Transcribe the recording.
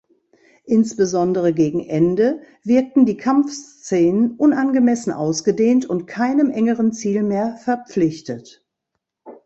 Insbesondere gegen Ende wirkten die Kampfszenen unangemessen ausgedehnt und keinem engeren Ziel mehr verpflichtet.